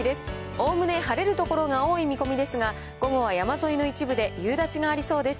おおむね晴れる所が多い見込みですが、午後は山沿いの一部で夕立がありそうです。